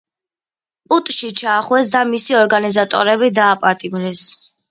პუტჩი ჩაახშვეს და მისი ორგანიზატორები დააპატიმრეს.